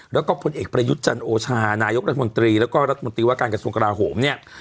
แล้วก็พลเอกประยุทธ์จันโอชานายกรัฐมนตรีแล้วก็รัฐมนตรีว่าการกระทรวงกราโหมเนี่ย